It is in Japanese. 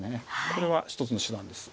これは一つの手段です。